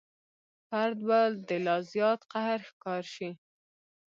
فرد به د لا زیات قهر ښکار شي.